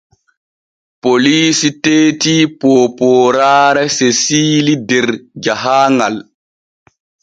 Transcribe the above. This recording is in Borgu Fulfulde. Poliisi teeti poopooraare Sesiili der jahaaŋal.